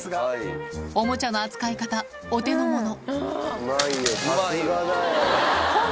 おもちゃの扱い方、お手のもの。